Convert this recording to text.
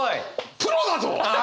プロだぞ！